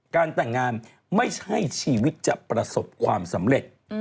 แต่งงานไม่ใช่ชีวิตจะประสบความสำเร็จ